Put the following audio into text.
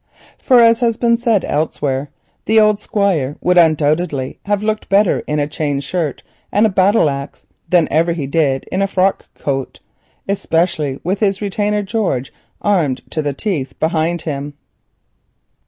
For as has been said elsewhere the old Squire would undoubtedly have looked better in a chain shirt and bearing a battle axe than ever he did in a frock coat, especially with his retainer George armed to the teeth behind him.